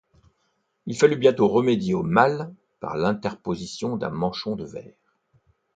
Il fallut bientôt remédier au mal par l'interposition d'un manchon de verre.